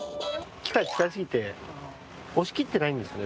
機械を使いすぎて押し切ってないんですよね